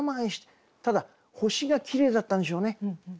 ただ星がきれいだったんでしょうね。